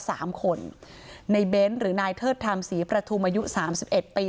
สามคนในเบ้นหรือนายเทิดธรรมศรีประทุมอายุสามสิบเอ็ดปี